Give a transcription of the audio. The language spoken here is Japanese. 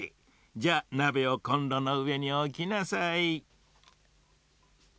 じゃあなべをコンロのうえにおきなさい。